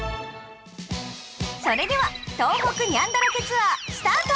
それでは『東北ニャンだらけツアー』スタート！